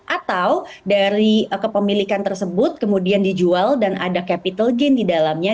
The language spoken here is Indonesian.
atau dari kepemilikan tersebut kemudian dijual dan ada capital gain di dalamnya